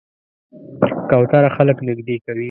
کوتره خلک نږدې کوي.